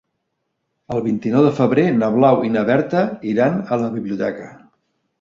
El vint-i-nou de febrer na Blau i na Berta iran a la biblioteca.